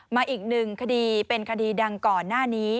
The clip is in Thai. อีกหนึ่งคดีเป็นคดีดังก่อนหน้านี้